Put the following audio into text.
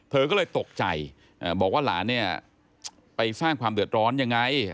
เธอก็เลยตกใจบอกว่าหลานเนี่ยไปสร้างความเดือดร้อนยังไง